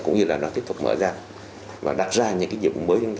cũng như là nó tiếp tục mở ra và đặt ra những cái nhiệm vụ mới